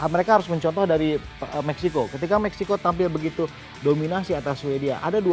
mereka harus mencontoh dari meksiko ketika meksiko tampil begitu dominasi atas sweden